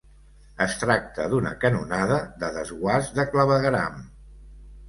Es tracta d'una canonada de desguàs de clavegueram.